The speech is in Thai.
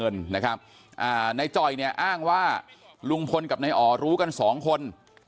ในย็อ่อนิอ้างว่าลุงพลันธ์กับนายอ๋อรู้กัน๒คน